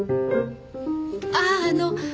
あああの。